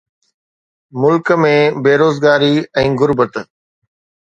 ملڪ ۾ بيروزگاري ۽ غربت